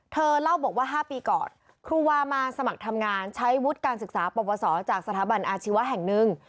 เธอเล่าบอกว่า๕ปีก่อนครูวามาสมัครทำงานใช้วุฒิการศึกษาปวสอจากสถาบันอาชีวะแห่งหนึ่ง